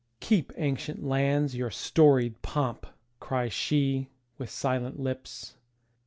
"Keep, ancient lands, your storied pomp!" cries sheWith silent lips.